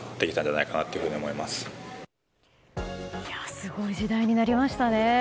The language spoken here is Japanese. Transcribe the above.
すごい時代になりましたね。